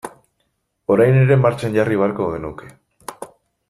Orain ere martxan jarri beharko genuke.